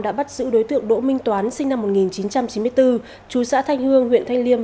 đã bắt giữ đối tượng đỗ minh toán sinh năm một nghìn chín trăm chín mươi bốn chú xã thanh hương huyện thanh liêm